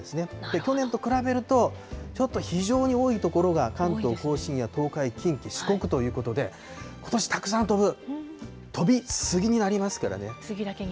去年と比べると、ちょっと非常に多い所が関東甲信や東海、近畿、四国ということで、ことしたくさん飛ぶ、飛び過ぎになりますからスギだけに。